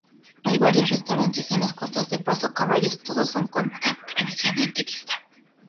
Hay varios restaurantes en las costas de Paso Caballos, todos con una impresionante vista.